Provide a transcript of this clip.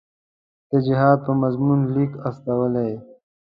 د جهاد په مضمون لیک استولی.